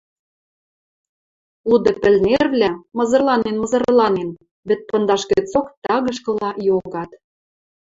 Луды пӹлнервлӓ, мызырланен-мызырланен, вӹд пындаш гӹцок тагышкыла йогат.